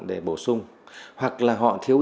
để bổ sung hoặc là họ thiếu